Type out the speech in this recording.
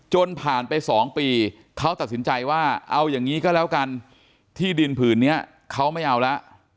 จนผ่านไป๒ปีเขาตัดสินใจว่าเอาอย่างนี้ก็แล้วกันที่ดินผืนนี้เขาไม่เอาแล้ว